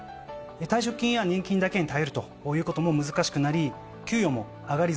退職金や年金だけに頼るということも難しくなり給与も上がりづらい状況です。